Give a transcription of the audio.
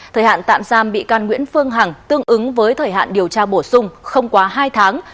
thời hạn tạm giam bị can nguyễn phương hằng tương ứng với thời hạn điều tra bổ sung không quá hai tháng